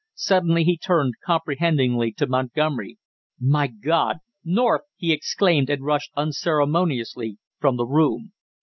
Suddenly he turned, comprehendingly, to Montgomery. "My God! North!" he exclaimed and rushed unceremoniously from the room.